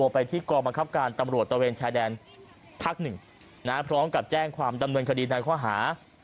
พักหนึ่งพร้อมกับแจ้งความดำเนินคดีนทางข้อหา